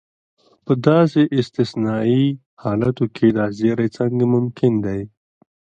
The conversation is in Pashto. په داسې استثنایي حالتو کې دا زیری څنګه ممکن دی.